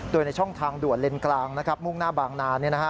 โดยในช่องทางด่วนเลนกลางมุ่งหน้าบางนา